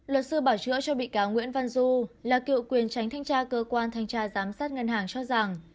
luật sư bảo chữa cho bị cáo nguyễn văn du là cựu quyền tránh thanh tra cơ quan thanh tra giám sát ngân hàng cho rằng